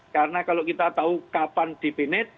karena kalau kita tahu kapan dipenit